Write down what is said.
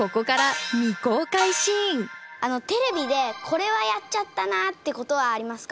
テレビで「これはやっちゃったな」ってことはありますか？